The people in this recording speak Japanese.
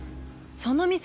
「その店